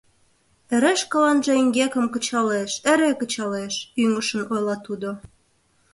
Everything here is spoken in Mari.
— Эре шкаланже эҥгекым кычалеш, эре кычалеш, — ӱҥышын ойла тудо.